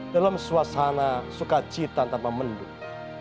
dalam suasana sukacita tanpa mendung